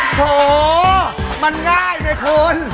โอ้โหมันง่ายไหมคน